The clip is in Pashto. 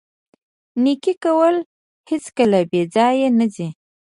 نیکي کول هیڅکله بې ځایه نه ځي.